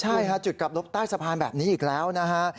ใช่ค่ะจุดกลับรถใต้สะพานแบบนี้อีกแล้วนะฮะ